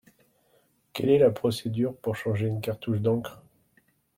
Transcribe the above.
Quelle est la procédure pour changer une cartouche d'encre?